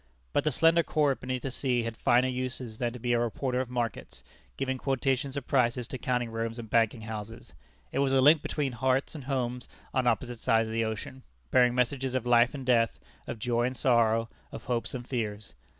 But the slender cord beneath the sea had finer uses than to be a reporter of markets, giving quotations of prices to counting rooms and banking houses; it was a link between hearts and homes on opposite sides of the ocean, bearing messages of life and death, of joy and sorrow, of hopes and fears.